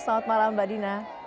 selamat malam mbak dina